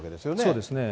そうですね。